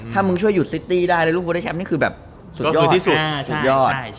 ถ้ามึงช่วยหยุดซิตตี้ได้แล้วลูกโบได้แชมป์นี่คือแบบสุดยอด